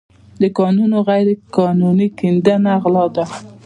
د کانونو غیرقانوني کیندنه غلا ده.